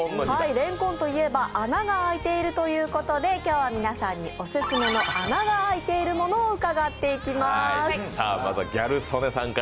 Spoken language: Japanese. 蓮根といえば穴が開いているということで、今日は皆さんにオススメの穴が開いているものを伺っていきます。